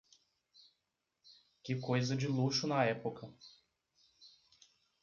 Que coisa de luxo na época